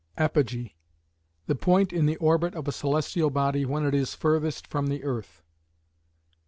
Apogee: The point in the orbit of a celestial body when it is furthest from the earth.